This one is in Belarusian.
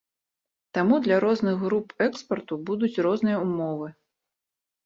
Таму для розных груп экспарту будуць розныя ўмовы.